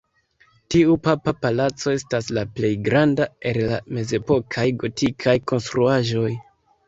Tiu papa palaco estas la plej granda el la mezepokaj gotikaj konstruaĵoj.